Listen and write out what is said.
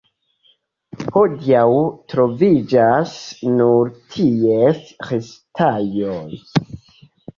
Hodiaŭ troviĝas nur ties restaĵoj.